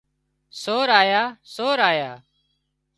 سور آيا سور آيا